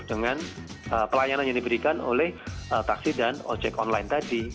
dengan pelayanan yang diberikan oleh taksi dan ojek online tadi